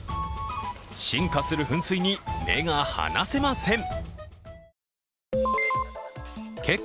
進化する噴水に目が離せません。